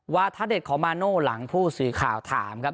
ท่าเด็ดของมาโน่หลังผู้สื่อข่าวถามครับ